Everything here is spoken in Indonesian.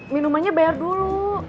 minumannya bayar dulu